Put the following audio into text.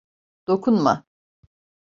Dokunma.